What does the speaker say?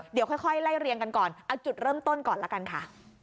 เดี๋ยวค่อยไล่เรียงกันก่อนเอาจุดเริ่มต้นก่อนละกันค่ะ